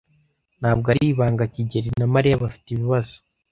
Ntabwo ari ibanga kigeli na Mariya bafite ibibazo.